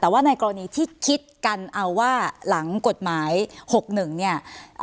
แต่ว่าในกรณีที่คิดกันเอาว่าหลังกฎหมาย๖๑เนี่ย